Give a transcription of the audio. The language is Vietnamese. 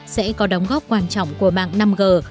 sẽ có đóng góp quan trọng của mạng năm g